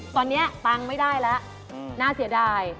ตอนนี้ตังค์ไม่ได้แล้วน่าเสียดาย